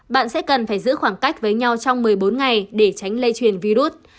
bạn sẽ cần phải giữ khoảng cách với nhau trong một mươi bốn ngày để tránh lây truyền virus